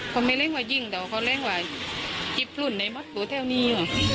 คนไม่เรียกว่ายิ่งแต่ว่าคนเรียกว่าจิบหลุ่นในมัดหรือแถวนี้